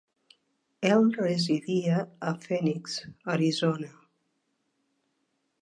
Ell residia a Phoenix, Arizona.